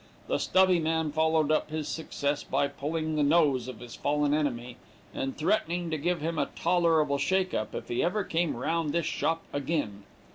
The stubby man followed up his success by pulling the nose of his fallen enemy, and threatening to give him a "tolerable shake up, if he ever came round his shop agin'."